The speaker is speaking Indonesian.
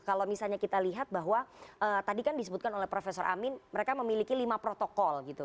kalau misalnya kita lihat bahwa tadi kan disebutkan oleh prof amin mereka memiliki lima protokol gitu